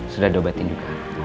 sudah diobatin juga